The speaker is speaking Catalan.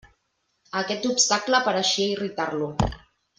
Aquest obstacle pareixia irritar-lo.